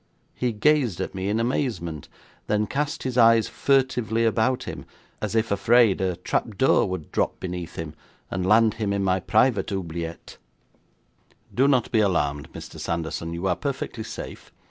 He gazed at me in amazement, then cast his eyes furtively about him, as if afraid a trap door would drop beneath him, and land him in my private oubliette. 'Do not be alarmed, Mr. Sanderson, you are perfectly safe.